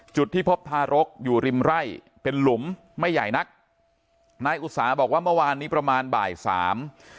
จุดที่พบทารกอยู่ริมไร่เป็นหลุมไม่ใหญ่นักนายอุตสาหบอกว่าเมื่อวานนี้ประมาณบ่ายสาม